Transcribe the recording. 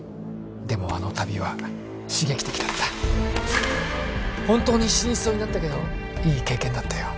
でもあの旅は刺激的だった本当に死にそうになったけどいい経験だったよ